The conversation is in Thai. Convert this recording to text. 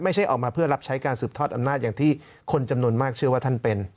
ไม่ใช่ออกมาเพื่อรับใช้การสืบทอดอำนาจอย่างที่คนจำนวนมากเชื่อว่าท่านเป็น